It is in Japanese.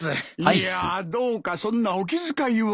いやどうかそんなお気遣いは。